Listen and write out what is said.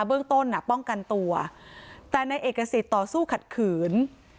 เบื้องต้นป้องกันตัวแต่ในเอกสิทธิ์ต่อสู้ขัดขืน